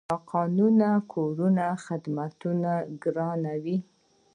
ناقانونه کورونه خدمتونه ګرانوي.